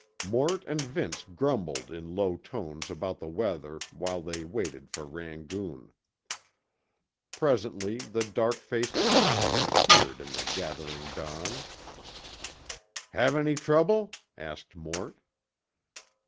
Mort and Vince grumbled in low tones about the weather while they waited for Rangoon. Presently the dark faced cowhand appeared in the gathering dawn. "Have any trouble?" asked Mort.